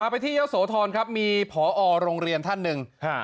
ไปที่เยอะโสธรครับมีผอโรงเรียนท่านหนึ่ง